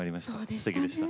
すてきでした。